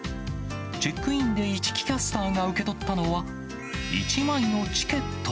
チェックインで市來キャスターが受け取ったのは、１枚のチケット。